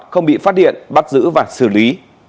không bị phát điện bắt giữ và xử lý